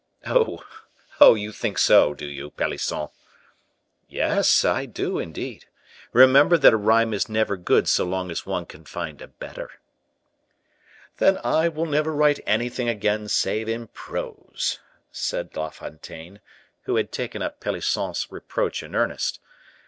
"Oh, oh, you think so, do you, Pelisson?" "Yes, I do, indeed. Remember that a rhyme is never good so long as one can find a better." "Then I will never write anything again save in prose," said La Fontaine, who had taken up Pelisson's reproach in earnest.